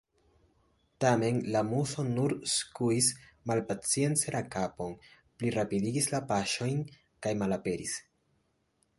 Tamen la Muso nur skuis malpacience la kapon, plirapidigis la paŝojn, kaj malaperis.